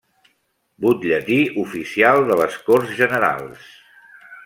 Butlletí Oficial de les Corts Generals.